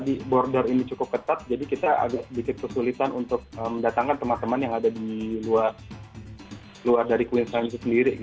jadi border ini cukup ketat jadi kita agak sedikit kesulitan untuk mendatangkan teman teman yang ada di luar dari queensland itu sendiri